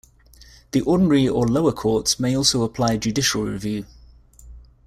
The ordinary or lower courts may also apply judicial review.